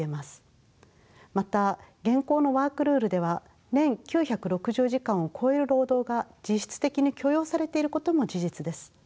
また現行のワークルールでは年９６０時間を超える労働が実質的に許容されていることも事実です。